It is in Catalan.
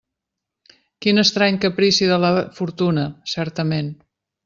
Quin estrany caprici de la fortuna, certament!